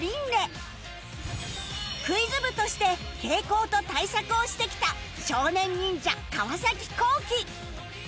クイズ部として傾向と対策をしてきた少年忍者川皇輝